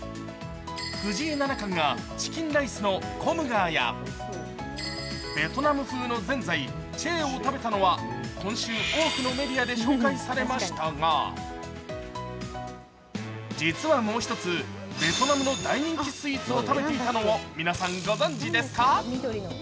藤井七冠がチキンライスのコムガーやベトナム風のぜんざいチェーを食べたのは今週多くのメディアで紹介されましたが、実はもう一つ、ベトナムの大人気スイーツを食べていたのを皆さん、ご存じですか。